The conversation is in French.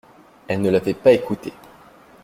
Elles ne l’avaient pas écouté.